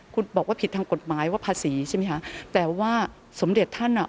คุณบอกว่าผิดทางกฎหมายว่าภาษีใช่ไหมคะแต่ว่าสมเด็จท่านอ่ะ